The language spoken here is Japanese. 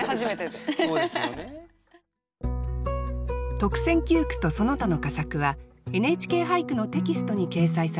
特選九句とその他の佳作は「ＮＨＫ俳句」のテキストに掲載されます。